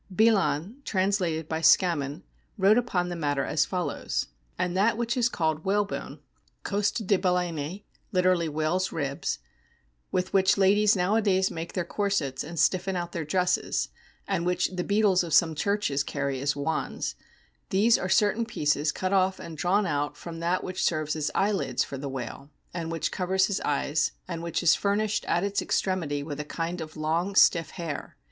Belon (translated by Scammon) wrote upon the matter as follows: "And that which is called whalebone SOME INTERNAL STRUCTURES 81 ("coste de balene "; literally, whales' ribs), with which ladies nowadays make their corsets and stiffen out their dresses, and which the beadles of some churches carry as wands these are certain pieces cut off and drawn out from that which serves as eyelids for the whale, and which covers his eyes, and which is furnished at its extremity with a kind of long, stiff hair.